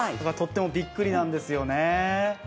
とってもびっくりなんですよね。